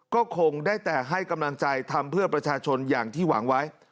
ก็คงได้แต่ให้กำลังใจทำเพื่อประชาชนอย่างที่หวังไว้